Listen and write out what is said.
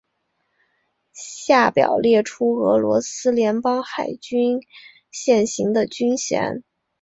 下表列出俄罗斯联邦海军现行的军衔。